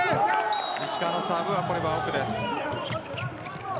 石川のサーブはアウトです。